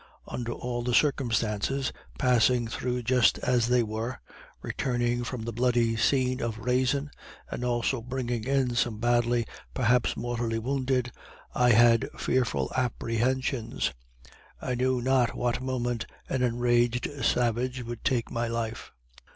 Under all the circumstances, passing through just as they were, returning from the bloody scene of Raisin, and also bringing in some badly, perhaps mortally, wounded, I had fearful apprehensions I knew not what moment an enraged savage would take my life.